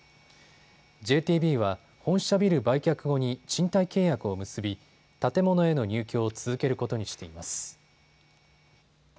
ＪＴＢは本社ビル売却後に賃貸契約を結び建物への入居を続けることにしています。